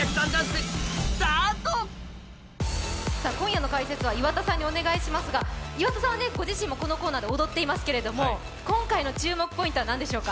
今夜の解説は岩田さんにお願いしますが岩田さんはご自身もこのコーナーで踊っていますけれども、今回の注目ポイントは何でしょう。